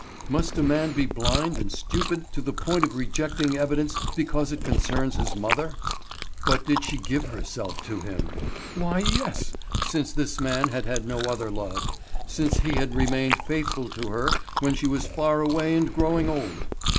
Must a man be blind and stupid to the point of rejecting evidence because it concerns his mother? But did she give herself to him? Why yes, since this man had had no other love, since he had remained faithful to her when she was far away and growing old.